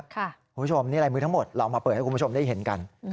คุณผู้ชมนี่ลายมือทั้งหมดเรามาเปิดให้คุณผู้ชมได้เห็นกัน